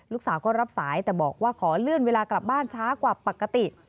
ลูกสาวก็รับสายแต่บอกว่าขอเลื่อนเวลากลับบ้านช้ากว่าปกติ